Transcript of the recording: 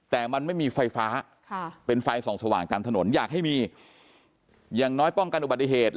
แต่มันไม่มีไฟฟ้าเป็นไฟส่องสว่างตามถนนอยากให้มีอย่างน้อยป้องกันอุบัติเหตุ